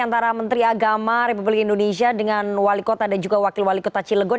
antara menteri agama republik indonesia dengan wali kota dan juga wakil wali kota cilegon